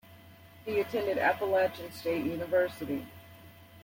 He attended Appalachian State University.